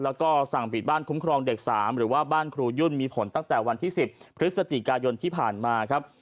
แล้วก็สั่งปิดบ้านคุ้มครองเด็ก๓หรือว่าบ้านครูยุ่นมีผลตั้งแต่วันที่๑๐พฤศจิกายนที่ผ่านมาครับ